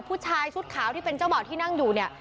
ผู้ชายชุดขาวที่เป็นเจ้าบ่าวที่นั่งอยู่เนี่ย